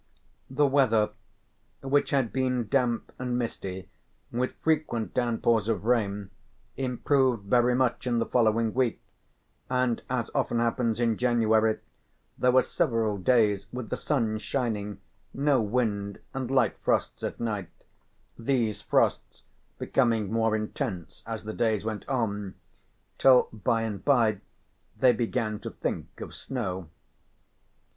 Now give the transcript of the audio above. The weather, which had been damp and misty, with frequent downpours of rain, improved very much in the following week, and, as often happens in January, there were several days with the sun shining, no wind and light frosts at night, these frosts becoming more intense as the days went on till bye and bye they began to think of snow.